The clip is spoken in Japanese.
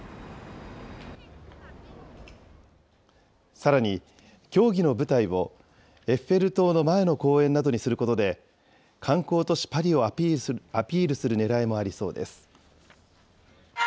さらに、競技の舞台をエッフェル塔の前の公園にすることで、観光都市パリをアピールするねらいもありそうです。